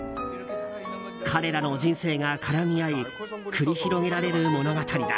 彼らの人生が絡み合い繰り広げられる物語だ。